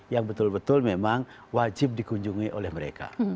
yang betul betul memang wajib dikunjungi oleh mereka